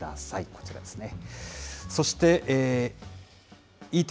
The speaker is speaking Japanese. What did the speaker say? こちらですね。